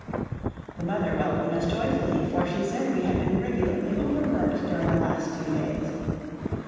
The mother welcomed us joyfully, for she said we had been regularly overworked during the last two days.